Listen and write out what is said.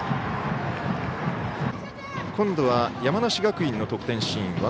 今度は山梨学院の得点シーン。